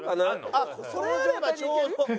あっそれあればちょうど。